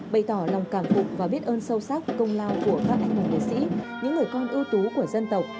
bày tỏ lòng cảm phục và biết ơn sâu sắc công lao của các anh hùng liệt sĩ những người con ưu tú của dân tộc